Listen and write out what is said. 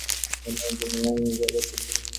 হায় হায়, এমন জিনিসও এমন জায়গায় থাকে!